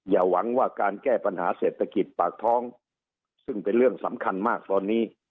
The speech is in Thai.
อย่าหวังว่าการแก้ปัญหาเศรษฐกิจปากท้องซึ่งเป็นเรื่องสำคัญมากตอนนี้